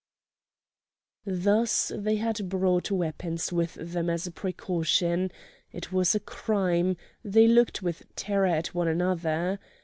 Thus they had brought weapons with them as a precaution; it was a crime; they looked with terror at one another.